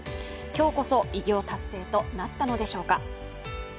今日こそ偉業達成となったのでしょうか。